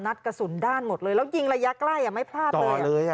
นัดกระสุนด้านหมดเลยแล้วยิงระยะใกล้ไม่พลาดเลย